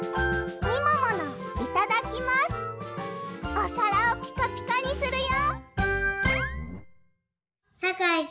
おさらをピカピカにするよ！